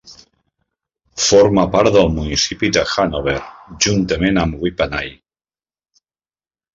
Forma part del municipi de Hannover juntament amb Whippany.